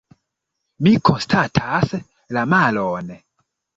Mi konstatas la malon.